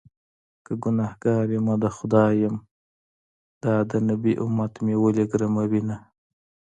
که ګنهکار يمه د خدای یم- دا د نبي امت مې ولې ګرموینه